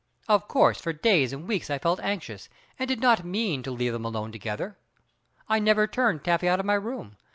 Of course for days and weeks I felt anxious, and did not mean to leave them alone together. I never turned Taffy out of my room.